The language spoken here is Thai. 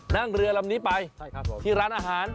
นั่งเรือลำนี้ไปที่ร้านอาหาร